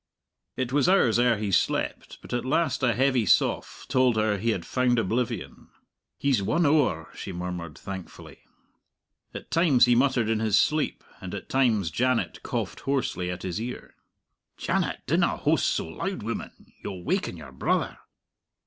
It was hours ere he slept, but at last a heavy sough told her he had found oblivion. "He's won owre," she murmured thankfully. At times he muttered in his sleep, and at times Janet coughed hoarsely at his ear. "Janet, dinna hoast sae loud, woman! You'll waken your brother."